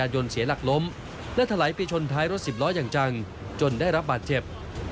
เบียดเด็ก